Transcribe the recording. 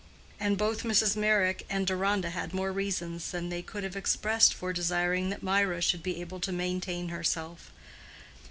And both Mrs. Meyrick and Deronda had more reasons than they could have expressed for desiring that Mirah should be able to maintain herself.